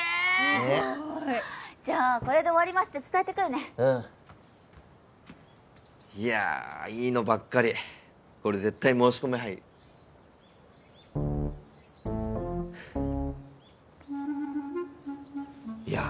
すごいじゃあこれで終わりますって伝えてくるねいやいいのばっかりこれ絶対申し込み入るいや